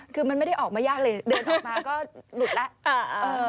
คือมันไม่ได้ออกมายากเลยเดินออกมาก็หลุดแล้ว